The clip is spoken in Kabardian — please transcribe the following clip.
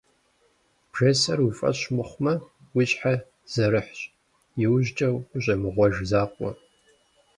Бжесӏэр уи фӏэщ мыхъумэ, уи щхьэ зэрыхьщ, иужькӏэ ущӏемыгъуэж закъуэ.